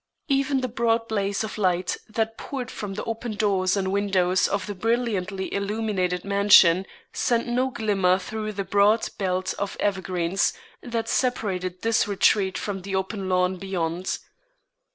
Even the broad blaze of light that poured from the open doors and windows of the brilliantly illuminated mansion, sent no glimmer through the broad belt of evergreens that separated this retreat from the open lawn beyond.